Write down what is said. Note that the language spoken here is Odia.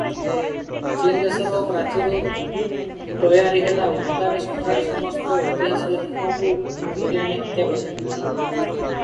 ଚୀନ୍ ଦେଶର ପ୍ରାଚୀର ତୟାରୀ ହେଲା ଉତ୍ତାରେ ସମ୍ରାଟ ସମସ୍ତ ଇତିହାସ ଲେଖକଙ୍କୁ ଧରିଆଣି ହତ୍ୟା କରିଥିଲେ